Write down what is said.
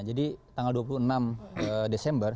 jadi tanggal dua puluh enam desember